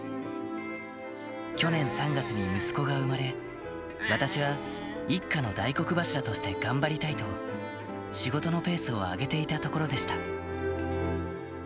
去年３月に息子が産まれ、私は一家の大黒柱として頑張りたいと、仕事のペースを上げていたところでした。